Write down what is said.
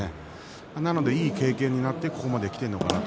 なのでいい経験になってここまできているのかなと。